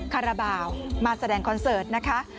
คาราบาลมาแสดงคอนเสิร์ตนะคะ